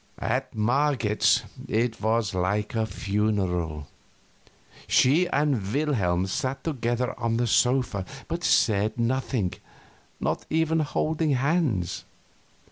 At Marget's it was like a funeral. She and Wilhelm sat together on the sofa, but said nothing, and not even holding hands.